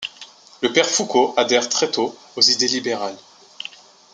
Le père Foucaud adhère très tôt aux idées libérales.